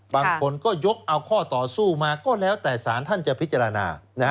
บางคนก็ยกเอาข้อต่อสู้มาก็แล้วแต่สารท่านจะพิจารณา